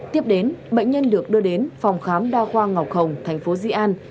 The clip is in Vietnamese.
tiếp đến bệnh nhân được đưa đến phòng khám đa khoa ngọc hồng thành phố di an